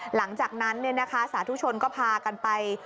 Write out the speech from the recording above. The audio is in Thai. หลังจากนั้นสาธุชนก็พากันไป